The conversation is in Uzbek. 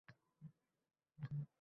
uylar uchib yurar